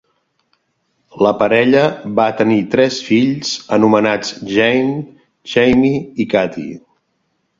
La parella va tenir tres fills anomenats Jane, Jamie i Katie.